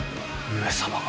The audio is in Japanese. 上様が。